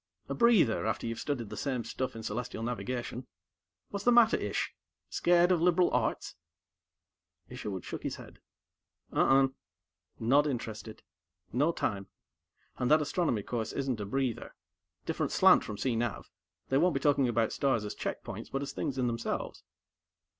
A breather, after you've studied the same stuff in Celestial Navigation. What's the matter, Ish? Scared of liberal arts?" Isherwood shook his head. "Uh unh. Not interested. No time. And that Astronomy course isn't a breather. Different slant from Cee Nav they won't be talking about stars as check points, but as things in themselves."